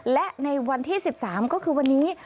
และในวันที่๑๓ก็คือวันนี้